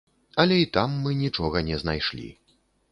Але і там мы нічога не знайшлі.